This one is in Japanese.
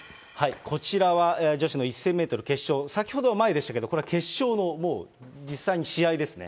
こちらは女子の１０００メートル決勝、先ほどは前でしたけれども、これは決勝の、もう実際に試合ですね。